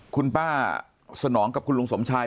คุณป้าสนองกับคุณลุงสมชาย